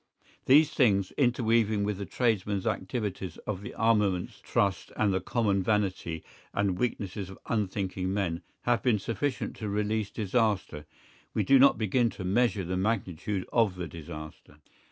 These things, interweaving with the tradesmen's activities of the armaments trust and the common vanity and weaknesses of unthinking men, have been sufficient to release disaster—we do not begin to measure the magnitude of the disaster.